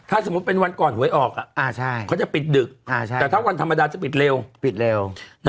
ถ้าสมมติเป็นวันก่อนหุยออกเขาจะเปิดถึงดึกแต่วันธรรมดาจะเปิดเร็ว